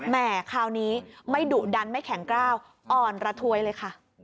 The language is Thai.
คราวนี้ไม่ดุดันไม่แข็งกล้าวอ่อนระทวยเลยค่ะ